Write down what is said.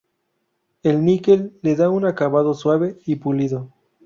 El níquel le da un acabado suave y pulido.